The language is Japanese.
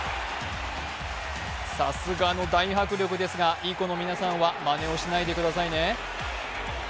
さすがの大迫力ですが、いい子の皆さんはまねをしないでくださいね。